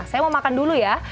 saya mau makan dulu ya